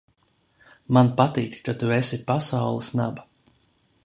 Man patīk, ka tu esi pasaules naba!